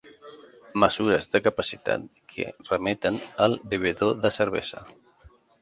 Mesures de capacitat que remeten al bevedor de cervesa.